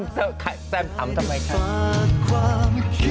สแตมทำไมครับ